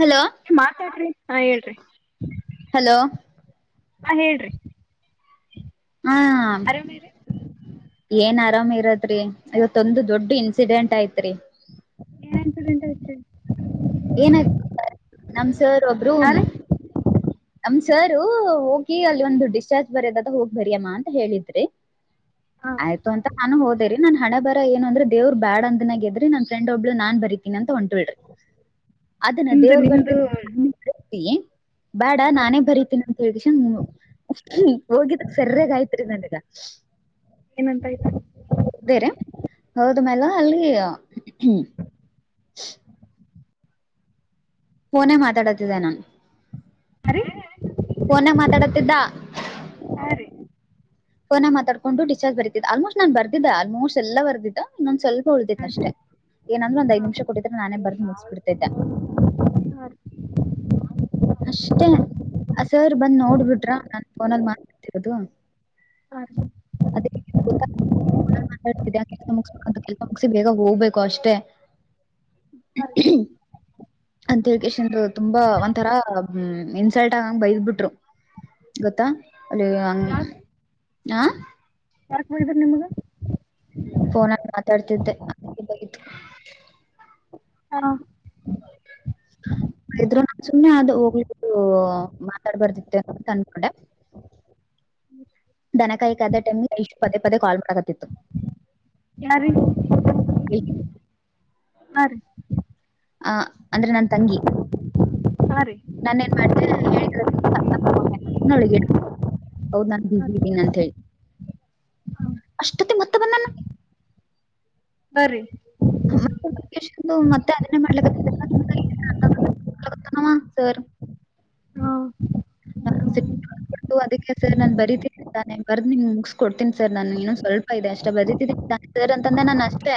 Hello ಮಾತಾಡ್ರಿ ಹಾ ಹೇಳ್ರಿ ಹಲೋ ಹಾ ಹೇಳ್ರಿ ಹಾ ಆರಾಮಿರಿ ಏನ್ ಆರಾಮ್ ಇರತ್ೀ ಇವತ್ತ ಒಂದು ದೊಡ್ಡ ಇನ್ಸಿಡೆಂಟ್ ಐತ್ರಿ ಏನಂಟುಂಟ ಹೆಷ್ಟೆ ಏನ ನಮ್ ಸರ್ ಒಬ್ರು ಹಾ ರೀ ನ್ ಸಾರ ಹೋಗಿ ಅಲ್ಲಿ ಒಂದು ಡಿಸ್ಚಾರ್ಜ್ ಬರ್ಯದದ ಹೋಗ್ ಬರಿ್ಯಮ್ಮ ಅಂತ ಹೇಳಿದ್ರಿ ಹಾ ಆಯ್ತು ಅಂತ ನಾನು ಹೋದೇರಿ ನನ್ ಹಣ ಬರಏ ಅಂದ್ರೆ ದವ್ ಬ್ಯಾ ಅಂದನಾಗದ್ರ ನನ್ ಫ್ರಂಡ್ ಒಬ್ಳ ನನ್ ಬರೀತೀಿ ಅಂತಂ ಬಿಡ್ರಿ ಅದನ್ನ ನಿಮ್ದು ದೇವ್ರ ಬರ್ತ ನಿಮ್ದು ಬೇಡ ಹಾ ರೀ ನಾನೇ ಬರಿತೀನಿ ಅಂತ ಹೇಳಿದ ಹೋಗಿದಕ್ ಸರ್ಯಾಗಯ್ತ್ರಿ ನನಗ ಏನಂತ ಆಯ್ತು ಬೇರೆ ಹೋದ ಮೇಲೆ ಅಲ್ಲಿ ಹ್ಮ್ ಫೋನೇ ಮಾತಾಡತಿದ್ದೆ ನಾನು ಅರೆ ಫೋನೇ ಮಾತಾಡತಿದ್ದ ಹಾ ರೀ ಫನ ಮಾತಾಕೊಂಡು ಟೀಚಾರ್ರ್ ಬರತಿದ್ದ ಆಲ್ಮೋಸ್ಟ್ ನಾನ್ ಬರ್ದಿದ್ದ ಆಲ್ಮೋಸ್ಟ್ ಎಲ್ಲ ಬದಿದ್ದ ಇೊಂದ್ ಸ್ವಪ ಉಳ್ದಿತ್ ಹಾ ರೀ ಅಷ್ಟೇ ಏನಂದ್ರ ಒಂದ್ ಐ್ ಹಾಂ ನಿಮಿಷ ಕೊಟ್ಟಿದ್ರೆ ನಾನೇ ಬರ್ದು್ ಮುಗಿಸ್ಬಿಡ್ತಿದ್ದೆ [inaudible] ಹಾಂ ರೀ ಅಷ್ಟೇ ಸರ್ ಬಂದ್ ನೋಡ್ಬಿಟ್ರ ನಾನ ಫೋನಲ್ಲಿ ಮಾತಡ್ತಿರೋದು ಹಾ ಮಾತಾಡ್ತ್ಯಾ ಕೆಲಸ ಮುಗಸ್ಬೇಕಂತ ಕೆಲಸ ಮುಗಿ ಬೇಗ ಹೋಗ್ಬೇಕು ಅಷ್ಟೇ [unintelligible] ಅಂತೇಳ್ ಕೇಶ್ ಅಂದರು ತುಂಬಾ ಒಂಥರಾ ಇನ್ಸಲ್ಟ್ ಆಗಂಗ ಬೈಸ್್ ಬಿಿಟ್ರು ಗೊತ್ತಾ ಅಲ್ಲಿ ಹಂಗ ಹ ಯಾಕ್ ಮಾಡಿದ್ರ ನಿಮ್ಗ ಫೋನಲ್ಲಿ ಮಾತಾಡ್ತಿದ್ದೆ ಅ ಬಯತು ಹ ್ರು ನಾ ಸುಮ್ಮನೆ ಅದು ಹೋಗ್ಲಿ ಮಾತಾಡ್ಬಾರ್ದಿತ್ತೆ ಅ ಅಂದ್ಕೊಂಡೆ ದನಕಾಯಕದೆ ಟೈಮ್ಗೆ ಇಷ್ಟು ಪದೇ ಪದೇ ಕಾಲ್ ಮಾಡಕತಿತ್ತು ಯಾರೀ [inaudible] ಹಾ ರೀ ಆ ಅಂದ್ರೆ ನನ್ ತಂಗಿ ಹಾಂ ರೀ ನನ್ ಏನ್ ಮಾಡ್ತಗ [unintelligible] [inaudible] ಹೌದ ನಾನ ಹಾಂ ಬಿಜಿ ರೀ ಇದ್ದೀನ ಅಂತ ಹೇಳಿ ಅಷ್ಟೊತ್ತಿಗ ಮತ್ತ ಬಂದಾನ ಹಾ ರೀ ಮತ್ತೆೇ ಬಂದಕೇಶಿ ಮತ್ತೆ ಅದನ್ನೇ ಮಾಡ್ಲಕ್ಕ [unintelligible] ತನಾವ ಸರ್ ಹಾಂ ಹಾ ಸಿ ಅದಕ್ಕೆ ಸರ್ ನಾನ್ ಬರೀತೀನಿ ತಾನೆ ಬರದ್ ನಿಮ್ಮಗ ಮುಗಿಸ್ ಕೊಡ್ತಿನೀ ಸರ್ ನಾನು ಏನು ಸ್ವಲ್ಪ ಇದೆ ಅಷ್ಟೇ ಬರೀತೀನಿ ಸರ್ ಅಂತಂದೆ ನಾನ ಅಷ್ಟೇ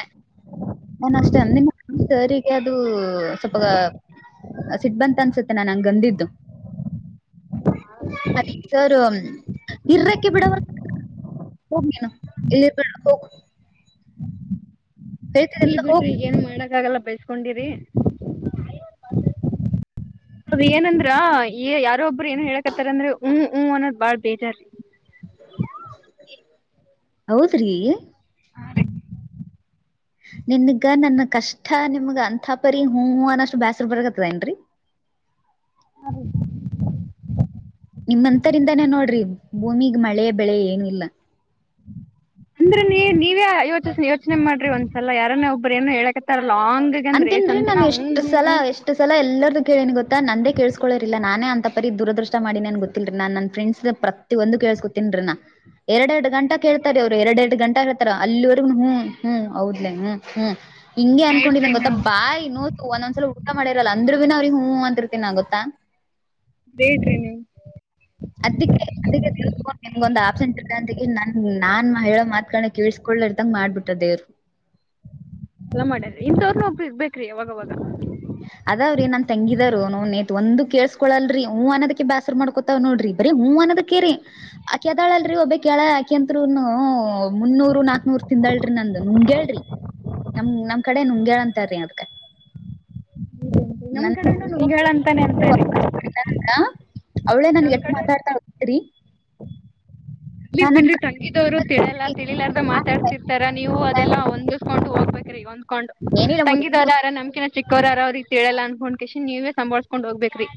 ನನ್ ಅಷ್ಟೇ ಅಂದ ಸರಿಗೆ ಅದು ಸ್ವಲ್ಪಗ ಹ ಸಿಟ್ ಬಂತ ಅನ್ಸುತ್ತೆ ನಾ ಹಂಗಂದಿದ್ದು ಅದಕ್ಕ ಸರ್ ಇರಕ್ಕೆ ಬಿಡವ ಹೋಗ ನೀನು ಇಲ್ಲ ಇರಬೇಡ ಹೋಗು ಇಲ್ ಬಿಡ್ರಿ ಏನ್ ಮಾಡಕ್ಕ ಆಗಲ್ಲ ಬೈಸ್ಕೊಂಡಿರಿ ಅದ ಏನಂದ್ರ ಈ ಯಾರ ಒಬ್ಬರು ಏನ್ ಹೇಳಕತ್ತಾರ ಅಂದ್ರ ಹ್ಮ್ ಹ್ಮ್ ಅನ್ನೋದ್ ಬಾಳ್ ಬೇಜಾರ್ ಹೌದ್ರಿ ನಿನ್ಗ ನನ್ನ ಕಷ್ಟ ನಿಮಗ ಅಂಥ ಪರಿ ಹ್ಮ ಹ್ಮ ಅನ್ನಷ್ಟು ಬ್ಯಾಸ್ರ ಬರಕತ್ತದ ಏನ್ರರಿ [inaudible] ಹ ರಿ ನಿಮ್ಮಂತರಿಂದಾನೇ ನೋಡ್ರಿ ಭೂಮಿ ಮಳೆ ಬೆಳೆ ಏನು ಇಲ್ಲ ಅಂದ್ರೆ ನೀ ನೀವೇ ಯೋಚನೆ ಯೋಚನೆ ಮಾಡ್ರಿ ಒಂದ್ಸಲ ಯಾರನ್ನೇ ಒಬ್ಬ್ರ ಏನು ಹೇಳಕತ್ತಾರ ಲಾಂಗಗೆ ಅಂದ್ರೆ ಅಂತನ ಲೀ ಚಂತನ ನಾನ್ ಹ್ಮ್ ಎಷ್ಟು ಹ್ಮ್ ಸಲ ಹ್ಮ್ ಎಷ್ಟ್ ಸಲ ಎಲ್ಲಾರ್ದು ಕೇಳೇನಿ ಗೊತ್ತಾ ನಂದೇ ಕೇಳಸ್ಕೊಳರೀಲ್ಲ ನಾನೇ ಅಂತ ಪರಿ ದುರದೃಷ್ಟ ಮಾಡಿ ನನ್ ಗೊತ್ತಿಲ್ಲರಿ ನಾನ್ ನನ್ ಫ್ರೆಂಡ್ಸ್ ಪ್ರತಿ ಒಂದು ಕೇಳ್ಸ್ ಗೊತ್ತೀನ್ರಿ ನಾ ಎರಡೆ ಎರಡು ಗಂಟ ಕೇಳ್ತಾರೆ ಅವ್ರು ಎರಡ್ ಎರಡ್ ಗಂಟಾ ಹೇರ್ತಾರ ಅಲ್ಲಿವರೆಗೂ ಹ್ಮ್ ಹ್ಮ್ ಹೌದ್ಲೆ ಹ್ಮ್ ಹ್ಮ್ ಹಿಂಗೆ ಗ್ರೇಟ್ ರೀ ಅನ್ಕೊಂಡಿದಂಗ ಗೋತ್ತಾ ನೀವು ಬಾಯಿ ನೋ ಒಂದೊಂದ್ಸಲ ಊಟ ಮಾಡಿರಲ್ಲ ಅಂದ್ರು ಬಿ ಅವ್ರಿಗೆ ಹೂ ಅಂತಿರ್ತೀನ ಗೋತ್ತಾ ಬೇಡ್ರಿ ನೀವು ಹ ಅದಕ್ಕೆ ಅದ ನಿಗೊಂದ್ ಆಪ್ಷನ್ ಇ ಅಂತ ನನ್ ನಾನ್ ಮಹಿ ಮಾತ್ಕ ಕೇಳ್ಸ್ಕೊಳಾರದಂಗ ಮಾಡ್ಬಿಟ್ಟ ದೇವರು ನ ಮಾಡ್ಯ್ರಿ ಇಂತ ಒಬ್ಬರ ಇರಬೇಕ್ರಿ ಅವಾಗವಾಗ ಅದಾವ್ರೀ ನಮ ತಂಗಿದಾರ ನೌನ ನೇತಿ ಒಂದು ಕೇಳ್ಸ್ಕೊಳಲ್ರರಿ ಹ್ಮ್ ಅನ್ನೋದಕ್ಕೆ ಬ್ಯಾಸರ್ ಮಾಡ್ಕೊತಾವ್ ನೋಡ್ರಿ ಬರಿ ಹ್ಮ್ ಅನದಕ್ಕೇರಿ ಆಕಿದಾಳ ಅಲ್ರರಿ ಒಬ್ಬಿ ಕಳ ಆಕಿ ಅಂತರುನು ಮುನ್ನೂರು ನಾಕ್ನೂರ್ ತಿಂದ ನಂದಲ ನಂದು ನುಂಗ್ಯಾಳ ನಮ ನಮ್ ಕಡೆ ನುಂಗ್ಯಾಳ ಅಂತಾರಿ ಅದ್ಕ ನ ನಮ್ ಕಡೆನು ನುಂಗ್ಯಾಳ ಅಂತಾನೆ ಅಂತಾರಿ [unintelligible] ಅವ್ಳೇ ನನ್ ನಮ್ ಎಟ್ಟ ಕಡೆ ಮಾತಾಡ್ತಾಳ ಗೊತ್ತರಿ ನಾನ್ ಬಿಡ್ರಿ ತಂಗಿದವರು ತಿಳಲ್ಲ ತಿಳಿಲಾರಂತ ಮಾತಾಡ್ತಿರ್ತಾರ ನೀವು ಅದೆಲ್ಲಾ ಒಂದು ಕೊಂಡು ಹೋಗ್ಬೇಕ್ರೀ ಹೊಂದ್ಕೊಂಡು ಏನಿಲ್ಲ ಮುದ್ ತಂಗಿದಾರ ಯಾರ ನಮಕಿನ ಚಿಕ್ಕೋರ ಅವ್ರಿಗೆಗ್ ತಿಳಲ್ಲ ಅನ್ಕೊಂಡ್ ಕೇಶಿನ್ ನೀವೇ ಸಂಬಾಳಳ್ಸ್ಕೊಂಡ ಹೋಗ್ಬೇಕರಿ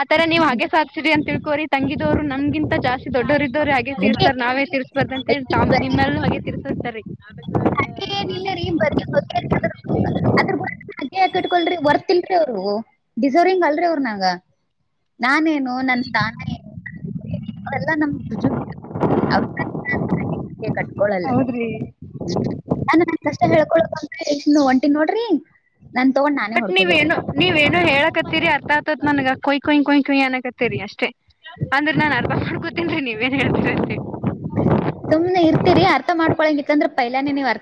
ಆತರ ನೀವ್ ಹಗೆ ಸಾಧ್ಯಸೀರಿ ಅಂತ ತಿಳ್ಕೋರಿ ತಂಗಿದವ್ರು ನನ್ಗಿಂತ ಜಾಸ್ತಿ ದೊಡ್ಡೋರ ಇದೋರು ತಿರ್ಸರ್ ನಾವೇ ತಿರ್ಸ್ಬಾರ್ದ ಅಂತೇಳಿ ತಾ ಹಾಗೆ ನಿಮ್ಮೂ ಹಾಗೇ ತಿರ್ಸ ಸರ್ ಅದನಲ್ಲ ರೀ ಬರ್ರೂಡ [unintelligible] ಅಗೆ ಯಾಕೆ ಕಿಟ್ಕೊಲರೀ ವರ್ತಿಲ್ರಿ ಅವ್ರು ಡಿಸರ್ವಿಂಗ್ ಅಲ್ರಿ ಅವ್ರ ನನಗ ನಾನೇನು ನನ್ ಸ್ಥಾನ ಏನು ಅವಲ್ಲ ನಮ್ಜು [unintelligible] ಕಟ್ಕಳಲ್ಲ ಹೌದ್ರಿ ಹಕೊ [unintelligible] ಒಂಟಿ ನೋಡ್ರಿ ನಾನ್ ತಗೊಂಡ್ ನಾನೇ ಬಟ್ ಹೊಡ್ಕೋಬೇಕು ನೀವೇನು ನೀವೇನು ಹೇಳ ಕತ್ತೀರಿ ಅರ್ಥ ಆತತ್ ನನಗ ಕೊಯ್ ಕೊಯ್ ಕೊಯ್ ಕೊಯ್ ಅನ ಕತ್ತತಿರಿ ಅಷ್ಟೇ ಅಂದ್ರೆ ನಾನ್ ಅರ್ಬ ಮಾಡ ಗೊತನ್ ನೀವ ಏನ್ ಹೇಳ್ತೀರ ಅಷ್ಟೆ ಸುಮ್ನೆ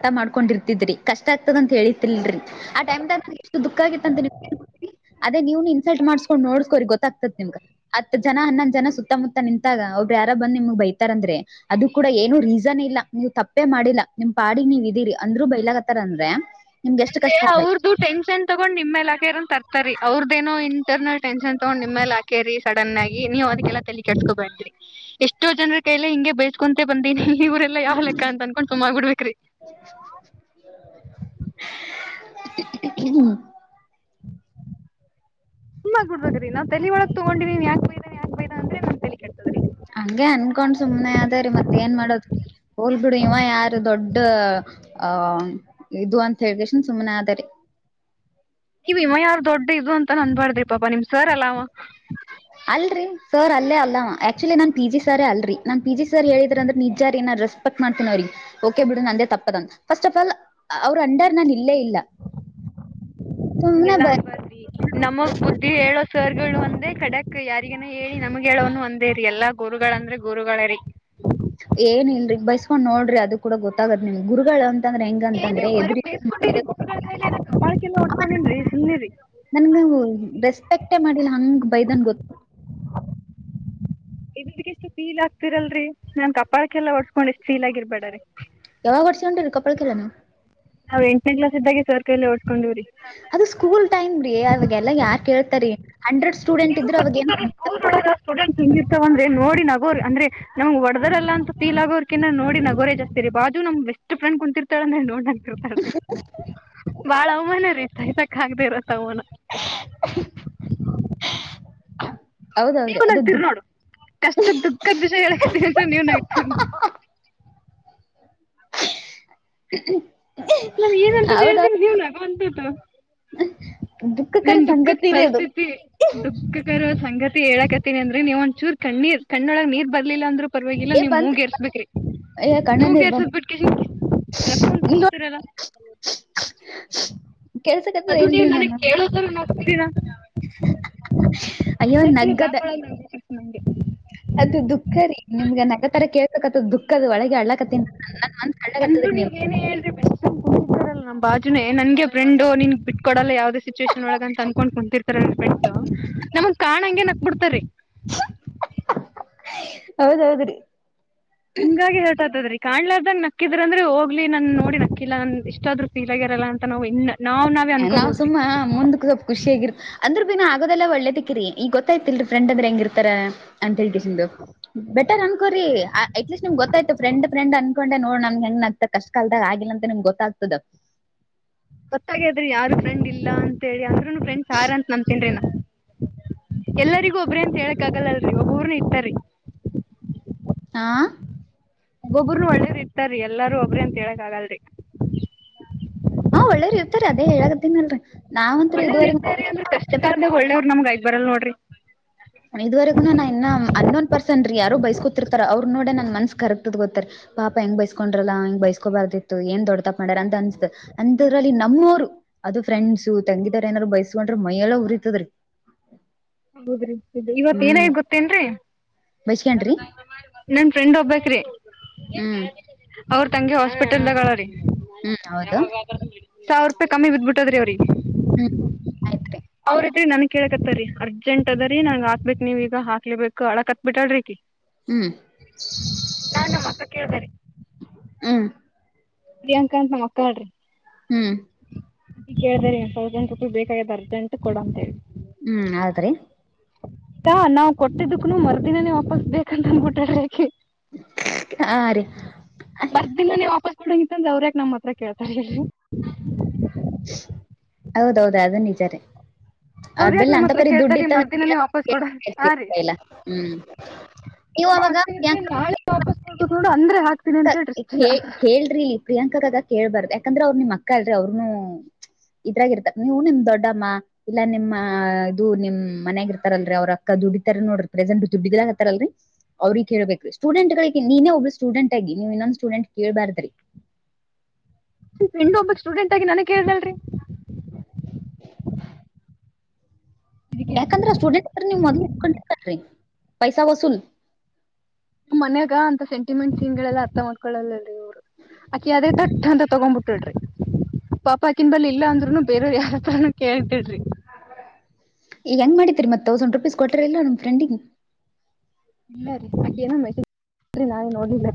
ಹ ಮಾಡ್ಕೊಂಡಿರ್ತಿದ್ರಿ ಕಷ್ಟ ಆಗ್ತದ ಅಂತ ಹೇಳಿ ಲ್ರರಿ ಆಟೈಮ್ ನನ್ ಎಷ್ಟು ದುಃಖ ಆಗಿ ಅಂತ ಅದೇ ನೀ್ನು ಇನ್ಸಲ್ಟ್ ಮಾಡಸ್ಕೊಂಡ್ ನೋಡ್ಸ್ಕೋ್ರ ಗೊತ್ತಾಗ್ತತ್ತಿಮಗ ಅ ಹತ್ ಜನ ಹನ್ನಂದ್ ಜನ ಸುತ್ತಮುತ್ತ ನಿಂತಾಗ ಒಬ್ರ ಬ ನಿಮ್ಗ್ ಬೈತಾರ ಅಂದ್ರೆ ಅದು ಕೂಡ ಏನು ರೀಸನ್ ಇಲ್ಲ ನೀವ್ ತಪ್ಪೇ ಮಾಡಿಲ್ಲಾ ನಿಮ್ ಪಾಡಿ ನೀವ್ ಇದೀರಿ ಅಂದ್ರು ಬೈಲಕತ್ತಾರ ಅಂದ್ರೆ ನಿಮ್ಗೆ ಎಷ್ಟು ಕಷ್ಟ ಆಗಲ್ಲ ಅವ್ರ್ದು ಟೆನ್ಷನ್ ತಗೊಂಡ್ ನಿಮ್ ಎಲ್ಲ ಹಾಕೆರನ್ ತರ್ತಾರಿ ಅವ್ರದೇನೋ ಇಕ್ಟರ್ನಲ್ ಟೆನ್ಷನ್ ತಗೊಂಡ ನಿಮ್ಮೇಲೆ ಹಾಕೇರಿ ಸಡನ್ ಆಗಿ ನೀವು ಅದಕ್ಕೆಲ್ಲ ತಲಿ ಕಟ್ಸ್ಕೊಬ್ರರಿ ಎಷ್ಟೋ ಜನ ಕೈಲೆ ಹಿಗೆ ಬೇಯಸ್ಕೊಂತ ಬಂದೀನಿ ಇವರೆಲ್ಲಾ ಯಾವ್ ಲೆಕ್ಕ ಅಂತ ಅನ್ಕೊಂಡ್ ಸುಮ ಆಗ್ಬಿಡ್ಬೇಕ್ರಿ ಹ್ಮ ತುಂಬಾುಡದೀ ನವು ತ ಒಳ ತಗೊಂಡಿವೀ ನೀನ್ ಯಾಕ್ ಬೈಾ ಯಾಕ್ ಬೈದ ಅ್ರೆ ನ ಹಂಗೆ ಅನ್ಕೊಂಡ್ ಸುಮ್ನೆ ಅದೇರಿ ಮತ್ತೆ ಏನ್ ಮಾಡೋದು ಹೋಲ್ ಬಿಡು ಇವ ಯಾರು ದೊಡ್ಡ ಹ ಇದು ಅಂತ ಹೇಳಿದೇಶನ್ ಸುಮ್ನೆ ಆದಾರೆ ನೀವ್ ವಿಮ ಯಾರ ದೊಡ್ಡ ಇದು ಅಂತ ನಂದನ್ಬಾಡ್ದ್ರಿ ಪಾಪಾ ನಿಮ್ ಸರ್ ಅಲ್ಲ ಹ ಅಲ್ರರಿ ಸರ್ ಅಲ್ಲೇ ಅಲ್ಲ ಆಕ್ಚುಲಿ ನಾನ್ ಪಿ ಜಿ ಸರ್ೇ ಅಲ್ರಿ ನನ್ ಪಿ ಜಿ ಸರ್ ಹೇಳಿದ್ರ ಅಂದ್ರ ನಿಜಾರ್ ಏನಾದ್ರೆಸ್ ಎ ಮಾಡ್ತೆ ಬಿ ನಂದ ತಪ್ಪ ಫಸ್ಟ್ ಆಫ್ ಆಲ್ ಅವ್ರ ಅಂಡರ್ ಇಲ್ಲೇ ಇಲ್ಲ ಸುಮ್ನೆ ಹಗೆಲ್ಲಾ ಬ ಅನ್ಬಾರವಿ ನಮಗ್ ಬುದ್ಧಿ ಹೇಳ ಸವರ್ಗಳು ಒಂದೇ ಡಕ್ ಯಾರಿಗನ ಹೇಳಿ ನಮ್ಗೆ ಹೇಳೋನು ಒಂದ ಅದೇ ರರಿ ಎಲ್ಲಾ ಗುರುಗಳಂದ್ರೆ ಗುರುಗಳ ರೀ ಏನ್ ಇಲ್ರಿ ಬೈಸ್ಕೊಂಡ್ ನೋಡ್ರಿ ಅದ ಕೂಡ ಗೊತ್ತಾಗದ ನಿಮ್ ಗುರುಗಳಂತ ಏನ್ ಬರ ಬೇಸ್ಕೊಂಡಿರಿ ಗಾಯ ಕಬಾಳಕೆಲ್ಲ ಹೊಡ್ಕೊಂಡನ್ರಿ ಸುಮ್ನೆರಿ ನನ್ಗ ರೆಸ್ಪೆಕ್ಟೇ ಮಾಡಿಲ್ಲ ಹಂಗ್ ಬೈದನ್ ಗೊತ್ತು ಇಕ್ಕೆ ಎಷ್ಟು ಫೀಲ್ ಆಗ್ತಿರಲ್ರಿ ನಾನ್ ಕಪಾಳಕ್ಕೆಲ್ಲ ಒಡ್ಸ್ಕೊಂಡ್ ಎಷ್ಟ್ ಫೀಲ್ ಆಗಿರ್ಬೇಡ್ರೀ ಯಾವಾಗ ಹೊಡ್ಸ ಉಂಟ ರರಿ ಕಪ್ಪಳ ಕಿರನು ನಾವು ಎಂನೇ ಕ್ಲಾಸ್ ಇದಾಗ ಸರ್ ಕೈಲ್ಲಿ ಅದು ಸ್ಕೂಲ್ ಟೈಮ್ ರೀ ಅವಾಗೆಲ್ಲ ಯಾರ್ ಕೇಳ್ತಾರೀ ಹಂಡ್ರೆಡ್ ಸ್ಟೂಡೆಂಟ್ ಇದ್ರರು ಅವಾಗ ಏನ್ ಹಿತಾವ ಅಂದ್ರೆ ನೋಡಿ ನಗೋರಿ ಅಂದ್ರೆ ನಮ್ಗೆ ಒಡದರಲ್ಲ ಅಂತ ಫೀಲ್ ಆೋರ್ಕಿಂತ ನೋಡಿ ನಗೋರೆೇ ಜಾಸ್ತಿ ರೀ ಬ ನಮ ಬೆಸ್ಟ್ ಫ್ರಂಡ್ ಕುಂತಿರ್ತಾಳ ನೋ ಬಾಳ ಅವಮಾನ ರೀ ತೈಸಕ್ ಆಗದೆ ಇರ ತಗೋಣ ನೀವ ಹೌದೌದ್ರಿ ಅದು ನಗ್ತೀರಿ ದುಃಖ ನೋಡು ಕಷ್ಟು ದುಃಖದ ವಿಷಯ ಹೇಳಕ ಅಂತ ನೀವ್ ನಗ್ತಿರಿ ನೋ [inaudible] ನಮ್ ಏನಂತ್ದ ಹೇಳ್ತ ಹೌದೌದು ನೀವ್ ನಗ ಅಂತ್ದು ದುಃಖಕರ ನನ್ ದುಃಖದ ಸಂಗತಿ ರೀ ಅದು ಪರಿಸ್ಥಿತಿ ದುಃಖಕರ ಸಂಕ ಸಂಗತಿ ಹೇಳಾಕತಿನಿ ಅಂದ್ರೆ ನೀವ ಒಂದಚೂರು ಕಣ್ಣೀರು ಕಣ್ಣೊಳಗ್ ನೀರ್ ಬರ್ಲಿಲ್ಲ ಅಂದ್ರರು ಪರವಾಗಿಲ್ಲ ಏ ನೀವ್ ಬಂತ್ ಮೂಗೇರ್ಸ್ಬೇಕ್ರಿ ಏ ಕಣ್ಣನೀರ್ ಬರ್ ಮುಗೆರಿಸಬೇಕ್ರಿ ಇಲ್ವ [inaudible] ಕೇಳ್ಸಕತ್ತದ ಅದು ನೀವು ಇಲ್ರಿ ನನಗ್ ನಾನು ಕೇಳೋದ ನೋಡ್ತೀರಾ ಅಯ್ಯೋ ನ ನಗ್ಗದ ಬಾಕ್ಳ ಕೃಷಗೆ ಅದು ದುಃಖ ರೀ ನಿಮ್ಗೆ ನಗ ತರ ಕೇಳ್ಬೇಕತದ ದುಃಖದ ಒಳಗೆ ಅಳ್ಳಕ್ತ್ತ ನ ಮಂತ್ ಅಳ್ಳಕ್ತ್ತದಿ ನೀ ನ ಬಾಜುನೆ ನನ್ ಫ್ರೆಂಡ್ ನಿನ್ ಬಿಟ್ ಕೊಡಲ್ಲ ಯಾವ್ದೇ ಸಿಚುವೇಷನ್ ಒಳಗ ಅನ್ಕೊಂಡು ಕುಂತಿರ್ತಾರೆ ನನ್ ಫ್ರೆಂಡ್ಸ್ ನಮಗ್ ಕಾಣಂಗಗೆನಕ್ ಬಿಡ್ತಾರಿ [inaudible] ಹೌದೌದ್ರೀ ಹಂಗಾಗಿ ಹರಟತದ್ರೀ ಕಾಣ್ಲಾರ್ದ ನಕ್ಕಿದ್ರ ಅಂದ್ರೆ ಹೋಗ್ಲಿ ನನ್ ನೋಡಿ ನಕ್ಕಿಲ್ಲ ನನ್ ಇಷ್ಟಾದ್ರುಫೀಲ್ ಆಗಿರಲ್ಲ ಅಂತ ನಾವು ಇನ್ನ ನಾವ್ ನಾವೇ ನಾ ಅನ್ಕೋಬೋದ್ ರೀ ಸುಮ್ಮಾ ಮುಂದಕ್ ಸ್ವಲ್ಪ ಖುಷಿಯಗಿರು ಅಂದ್ರ ದಿನ ಆಗದೆಲ್ಲ ಒಳ್ಳೇದಕ್ಕಿರಿ ಈಗ ಗೊತ್ತ್ತಿಲ್ರಿ ಫ್ರೆಂಡ್ಂದ್ರೆ ಹೆಂಗಿರ್ತಾರ ಅಂತ ಹೇಳ್ ಬೆಟರ್ ಅನ್ಕೋರಿ ಅಟ್ಲೀಸ್ಟ್ ನಿಮ್ಗ್ ಗೊತ್ತಾಯ್ತ ಫ್ರೆಂಡ್ ಫ್ರೆಂಡ್ ಅನ್ಕೊಂಡೆ ನೋಡಣ ಹೆಂಗತ ಆಗ್ತ ಕಷ್ಟ ಕಾಲ್ದಾಗ ಆಗಿಲ್ಲ ಅಂತ ನಿಮ್ಗ್ ಗೊತ್ತಾಗ್ತದ ಗೊತ್ತಾಗಾದ್ರಿ ಯಾರು ಫ್ರೆಂಡ್ ಇಲ್ಲ ಅಂತ ಹೇಳಿ ಆದ್ರೂನು ಫ್ರೆಂಡ್ಸ್ ತಾರಾ ಅಂತ ನಂಬುತ್ತಿನಿ ನಾನು ಎಲ್ಲರಿಗೂ ಒಬ್ರೇ ಅಂತ ಹೇಳಕ್ ಆಗಲ್ಲಲ್ರಿ ಒಬ್ಬೂರ್ನ ಇರ್ತಾರಿರಿ ಆ ಒಬ್ಬೊಬರುನು ಒಳ್ಳೇರ್ ಇರ್ತಾರೀ ಎಲ್ಲಾರೂ ಒಬ್ರಿ ಅಂತ ಹೇಳಕ್ ಆಗಲ್ರಿ ಹಾ ಒಳ್ಳೇರಿ ಇರ್ತರಿ ಅದೇ ಹೇಳತ್ತನಲ್ರರಿ ನಾವಂತತ್ ಇದುವರೆಗ ನಮ್ಗ ಐದ ಬರಲ್ ನೋಡ್ರಿ ಇದ್ವರೆಗು ನಾ ಇನ್ನ ಅನ್ನೋನ್ ಪರ್ಸನ್ ರೀ ಯಾರು ಬಸ್ಕೊತಿರ್ತಾರ ಅವ್ರ ನೋಡಿ ನನ್ ಮನ್ಸ್ ಕರಕ್ ಗೊತ್ತರಿ ಪಾಪ ಹೆಂಗ ಬೈಸ್ಕೊಂಡ್ರಲ್ಲಾ ಹಿಂಗ ಬೈಸ್ಕೋಬಾರ್ದಿತ್ತು ಏನ್ ದೊಡ್ಡತಪ್ಪು ಮಾಡಾರ ಅಂತ ಅನಿಸ್ತು ಅಂತದ್ರಲ್ಲಿ ನಮ್ಮವರು ಅದು ಫ್ರೆಂಡ್ಸು ತಂಗಿದಾರು ಏನಾರು ಬೈಸ್ಕೊಂಡ್ರೆ ಮೈಎಲ್ಲ ಉರಿತದ್ರೀ ಹೌದ್ರಿ ಇವತ್ ಏನೈತು ಗೊತ್ತೇನ್ರೀ ಬೈಸ್ಕಂಡ್ರಿ ನನ್ ಫ್ರೆಂಡ್ ಒಬ್ಬಕ್ರಿ ಹ್ಮ್ ಅವ್ರ ತಂಗಿ ಹಾಸ್ಪಿಟಲ್ದಾಗಳ ಹ್ಮ್ ಹೌದು ಸಾವಿರ ರೂಪಾಯಿ ಕಮ್ಮಿ ಬಿದ್ಬಿಟ್ಟದ್ರಿ ಅವ್ರಿ ಹ್ಮ್ ಆಯ್ತ್ರಿ ಅವ್ರತ್ರಿ ನನ್ ಕೇಳಕತ್ತ್ರೀ ಅರ್ಜೆಂಟ್ ಅರ್ಜೆಂಟ್ ಅದರೀ ನಂಗ ಹಾಕಬೇಕು ನೀವ್ ಈಗ ಹಾಕ್ಲೆಬೇಕು ಅಳಕತ್ ಮ್ ಬಿಟ್ರಲ್ಲರೀ ಆಕಿ ಹ್ಮ್ ನಾನು ನಮ್ಮ ಅಕ್ಕ ಕೇಳ್ದೆರೀ ಹ್ಮ್ ಪ್ರಿಯಾಂಕಾ ಅಂತ ನಮ್ಮ ಅಕ್ಕ ಅವ್ಳರಿ ಹ್ಮ್ ಅದ ಕೇಳ್ದ್ರರೀ ಸೌಸಂಡ್ ರುಪಾಯಿ ಬೇಕಾಗದ ಅರ್ಜೆಂಟ್ ಕೊಡ ಅಂತ ಹೇಳಿ ಹ್ಮ್ ಹೌದ್ರಿ ಹಾ ನಾವ್ ಕೊಟ್ಟಿದ್ದಕ್ಕನು ಮರ್ದಿನನೇ ವಾಪಸ್ ಬೇಕಂತ ಅಂದಬಿಟ್ಟಾರೆ ಯಾಕೆ ಹಾ ರೀ ಕೊಡಂಗಿಂತಂದ ಅವ್ರ್ ಯಾಕೆ ನಮ್ಮ ಹತ್ರ ಕೇಳ್ತಾರೆ ಹೇಳ್ರಿ ಹೌದೌದ ಅದನ್ ನಿಜಾರೀ ಅವ್ರ ಯಾಕ್ ಅವ್ರಬೆಲ್ಲ ನಮ್ಮ ಅಂತ ಹತ್ರ ಪರಿ ದುಡ್ ಕೇಳ್ತಾರಿ ಇತ್ತಂದ್ರೆ ಮರ್ದಿನನೇ ವಾಪಸ್ ಕೊಡ [unintelligible] ಹ್ಮ್ ನೀವು ನಮ್ಮ ಅವಾಗ ಅಕ್ಕ ಇದ್ರೆ ಪ್ರಿಯಾಂಕಾ ನಾಳೆನೆ ವಾಪಾಸ್ ಕೊಡಬೇಕು ನೋಡು ಅಂದ್ರೆ ಹಾಕು ಕೇಳ್ರಿ ಇಲ್ಲಿ ಪ್ರಿಯಾಂಕಾಗದ ಕೇಳ್ಬಾರ್ದ ಯಾಕಂದ್ರ ಅವ್ರ ನಿಮ್ ಅಕ್ಕ ಅಲ್ರರಿ ಅವ್ರನು ಇದ್ರಾಗ ಇರ್ತಾರೆ ನೀವು ನಿಮ್ ದೊಡ್ಡಮ್ಮ ಇಲ್ಲ ನಿಮ್ಮ ಇದು ನಿಮ್ ಇದು ಮನೆಯಗ್ ಇರ್ತಾರಲ್ರಿ ಅವ್ರ ಅಕ್ಕದ ದುಡಿತಾರ ನೋಡ್ರಿ ಪ್ರೆಸೆಟ್ ದುಡ್ಡಿಲ್ಲಕಾತರಲ್ಲಿ ಅವ್ರಿಗೆ ಕೇಳಬೇಕೆಯಿ ಸ್ಟೂಡೆಂಟ್ ನೀನೇ ಒಬ್ಬ ಸ್ಟೂಡೆಂಟ್ ನೀವ್ ಇನ್ನೊಂದ ಸ್ಟೂಡೆಂಟ್ ಕೇೇಳಳ್ಬಾರ್ದ್ರಿ ಇನ್ನೊಬ್ಬ ಸ್ಟೂಡೆಂಟ್ ಆಗಿ ನನಗ್ ಕೇಳ್ದಲ್ರರಿ [unintelligible] ಯಾಕಂದ್ರ ಸ್ಟೂಡೆಂಟ್ ನೀವ್ ಮೊದ್ಲು ಇಸ್ಕೊಂಡಿರಿ ಪೈಸ ವಸೂಲ್ ನಮ್ಮ್ ಮನ್ಯಾಗ ಅಂತ ಸೆಂಟಿಮೆಂಟ್ ಸೀನ್ ಗಳು ಎಲ್ಲಾ ಅರ್ಥ ಮಾಡ್ಕೊಳೋಲ್ಲರೀ ಅವ್ರು ಆಕಿ ಅದೇ ತಟ್ಟ ಅಂತ ತಗೊಬಿಟ್ಟಲ್ರಿ ಪಾಪ ಅಕಿನ್ ಬಳಿ ಇಲ್ಲ ಅಂದ್ರುನು ಬೇರವ್ ಯಾರ್ತ್ರಾನೂ ಕೇಳ್ತಿದ್ರಿ ಈಗ ಹೆಂಗ್ ಮಾಡಿದ್ರಿ ಮತ್ತ್ ತೌಸಂಡ್ ರುಪೀಸ್ ಕೊಟ್ಟಿರಿ ಇಲ್ಲ ನಮ್ ಫ್ರೆಂಡಿಗೆ. ಇಲ್ಲ ರೀ ಹಾಗೇನ ನಾನೇ ನೋಡಿಲ್ಲ.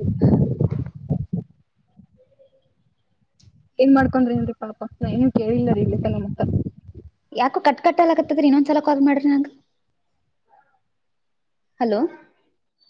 ಏನ್ ಮಾಡ್ಕೊಂಡ್ರಿ ಏನ್ ರೀ ಪಾಪ ನಾ ಏನು ಕೇಳಿಲ್ಲ ರೀ ಇಲ್ಲಿ ತನ ಮತ್ತ ಯಾಕೋ ಕಟ್ ಕಟ್ಟಲ್ ಆಕತ್ತದ್ರೀ ಇನ್ನೊಂದ್ಸಲ ಕಾಲ್ ಮಾಡ್ರಿ ನನಗೆ ಹಲೋ